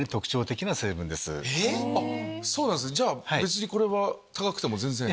じゃあ別にこれは高くても全然。